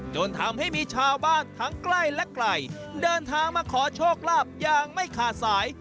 จนทำให้มีชาวบ้านทั้งใกล้และไกลเดินทางมาขอโชคลาภอย่างไม่ขาดสาย